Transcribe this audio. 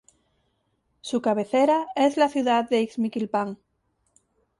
Su cabecera es la ciudad de Ixmiquilpan.